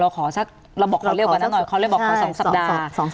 เราบอกเขาเรียกว่านั้นหน่อยเขาเรียกว่า๒สัปดาห์